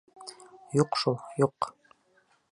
Юҡ шул, юҡ.